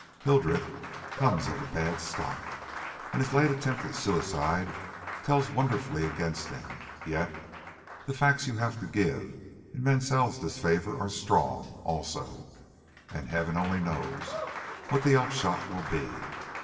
Hildreth comes of a bad stock, and his late attempt at suicide tells wonderfully against him; yet, the facts you have to give in Mansell's disfavor are strong also, and Heaven only knows what the upshot will be.